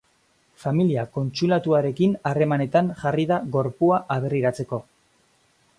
Familia kontsulatuarekin harremanetan jarri da gorpua aberriratzeko.